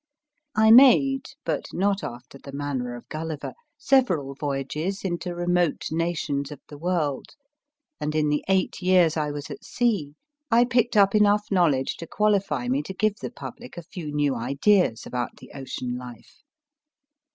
I made, but not after the manner of Gulliver, several voyages into remote nations of the world, and in the eight years I was at sea I picked up enough knowledge to qualify me to give the public a few new ideas about the ocean life.